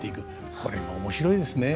これが面白いですね。